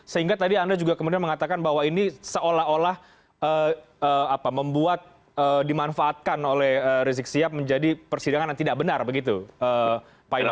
sehingga tadi anda juga kemudian mengatakan bahwa ini seolah olah membuat dimanfaatkan oleh rizik sihab menjadi persidangan yang tidak benar begitu pak ilha